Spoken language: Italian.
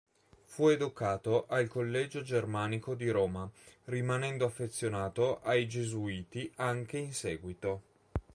Fu educato al Collegio Germanico di Roma, rimanendo affezionato ai gesuiti anche in seguito.